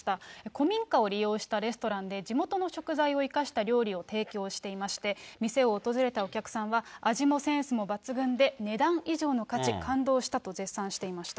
古民家を利用したレストランで地元の食材を生かした料理を提供していまして、店を訪れたお客さんは味もセンスも抜群で、値段以上の価値、感動したと絶賛していました。